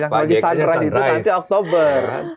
yang berhasil nanti oktober